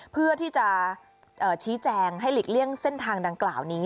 เพื่อที่จะชี้แจงให้หลีกเลี่ยงเส้นทางดังกล่าวนี้